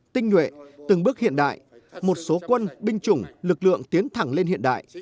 tinh nguệ từng bước hiện đại một số quân binh chủng lực lượng tiến thẳng lên hiện đại